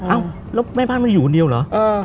อ้าวแล้วแม่บ้านไม่อยู่คนเดียวเหรอ